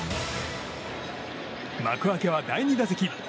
幕開けは第２打席。